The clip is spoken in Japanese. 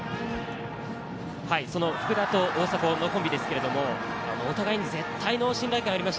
福田と大迫のコンビ、お互い絶対の信頼感があります。